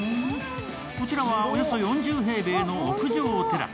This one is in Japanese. こちらはおよそ４０平米の屋上テラス。